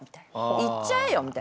行っちゃえよみたいな。